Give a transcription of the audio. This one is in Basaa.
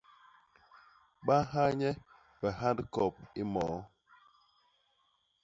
Ba nha nye bihañkop i moo.